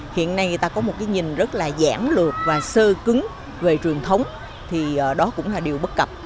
hiện nay người ta có một cái nhìn rất là giãn lược và sơ cứng về truyền thống thì đó cũng là điều bất cập